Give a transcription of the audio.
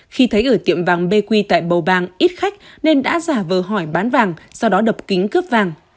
khi thấy ở tiệm vàng bq tại bầu bàng ít khách nên đã giả vờ hỏi bán vàng sau đó đập kính cướp vàng